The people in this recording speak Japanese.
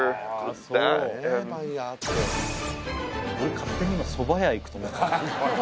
勝手に今そば屋行くと思ってた。